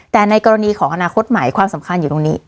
แต่ในกรณีของอนาคตใหม่ความสำคัญอยู่ตรงนี้